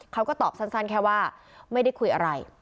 เขาก็ตอบสั้นแค่ว่าไม่ได้คุยอะไร